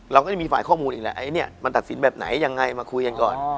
เราก็จะมีฝ่ายข้อมูลอีกแหละไอ้เนี่ยมันตัดสินแบบไหนยังไงมาคุยกันก่อน